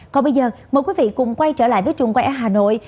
còn bây giờ mời quý vị cùng quay trở lại với trường quay ở hà nội